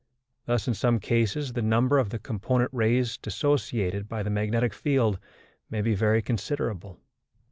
Thus in some cases the number of the component rays dissociated by the magnetic field may be very considerable.